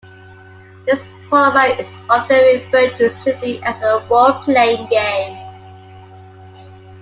This format is often referred to simply as a "role-playing game".